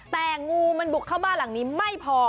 แต่งูมันบุกเข้าบ้านหลังนี้ไม่พอ